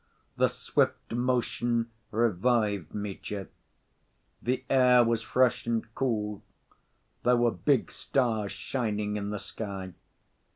The swift motion revived Mitya. The air was fresh and cool, there were big stars shining in the sky.